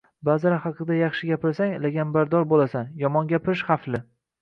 Ba’zilar haqida yaxshi gapirsang, laganbardor bo’lasan, yomon gapirish – xavfli.